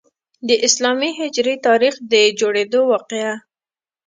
د اسلامي هجري تاریخ د جوړیدو واقعه.